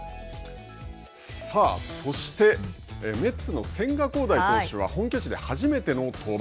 さあそしてメッツの千賀滉大投手は本拠地で初めての登板。